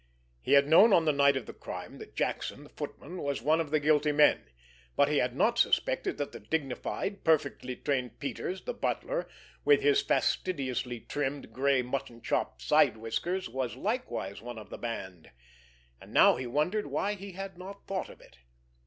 He had known on the night of the crime that Jackson, the footman, was one of the guilty men; but he had not suspected that the dignified, perfectly trained Peters, the butler, with his fastidiously trimmed, gray, mutton chop side whiskers, was likewise one of the band. And now he wondered why he had not thought of it.